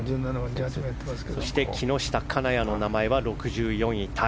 そして木下、金谷の名前は６４位タイ。